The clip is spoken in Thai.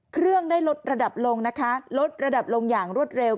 เครื่องได้ลดระดับลงนะคะลดระดับลงอย่างรวดเร็ว